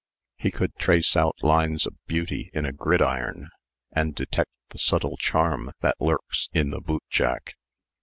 He could trace out lines of beauty in a gridiron, and detect the subtle charm that lurks in the bootjack.